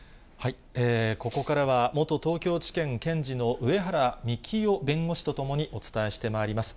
ここからは、元東京地検検事の上原幹男弁護士と共にお伝えしてまいります。